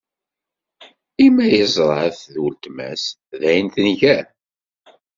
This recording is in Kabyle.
I ma yeẓra-t d uletma-s, dayen tenger?